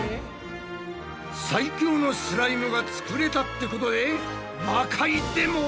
最強のスライムが作れたってことで魔界でも。